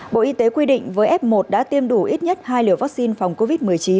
bộ y tế quy định với f một đã tiêm đủ ít nhất hai liều vaccine phòng covid một mươi chín